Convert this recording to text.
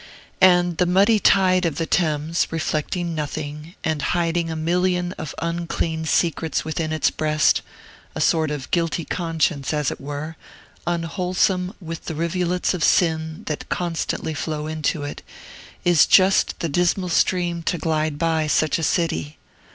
And the muddy tide of the Thames, reflecting nothing, and hiding a million of unclean secrets within its breast, a sort of guilty conscience, as it were, unwholesome with the rivulets of sin that constantly flow into it, is just the dismal stream to glide by such a city.